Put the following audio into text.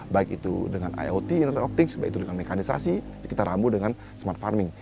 baik itu dengan iot internet optics baik itu dengan mekanisasi kita rambu dengan smart farming